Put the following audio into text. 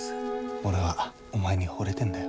俺はお前にほれてんだよ。